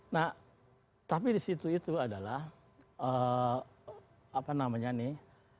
nah tapi disitu itu adalah apa namanya nih